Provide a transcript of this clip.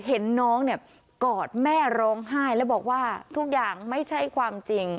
เห็นน้องเนี่ยกอดแม่ร้องไห้แล้วบอกว่าทุกอย่างไม่ใช่ความจริง